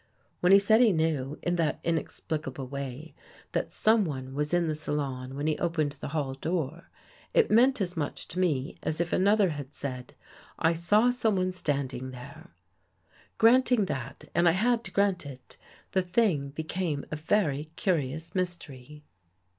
When he said he knew, in that inexplicable way, that someone was in the salon when he opened the hall door, it meant as much to me as if another had said —" I saw someone stand ing there." Granting that, and I had to grant it, the thing became a very curious mystery.